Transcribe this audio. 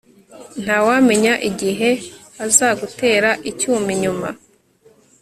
Ntawamenya igihe azagutera icyuma inyuma